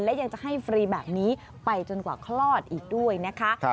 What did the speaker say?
และยังจะให้ฟรีแบบนี้ไปจนกว่าคลอดอีกด้วยนะคะ